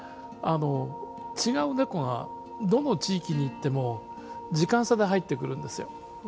違うネコがどの地域に行っても時間差で入ってくるんですよ。